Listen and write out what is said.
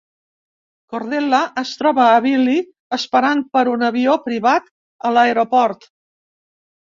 Cordelia es troba a Billy esperant per un avió privat a l'aeroport.